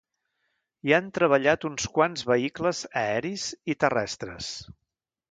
Hi han treballat uns quants vehicles aeris i terrestres.